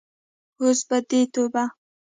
اوس به دې توبه.